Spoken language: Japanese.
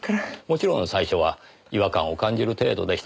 もちろん最初は違和感を感じる程度でしたが。